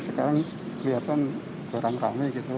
sekarang kelihatan kurang rame gitu